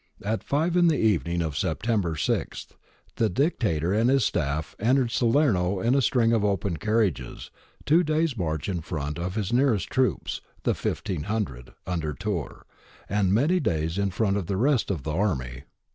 At five in the evening of September 6 the Dictator and his staff entered Salerno in a string of open carriages, two days' march in front of his nearest troops, the 1 500 under Turr,^ and many days in front of the rest of the army.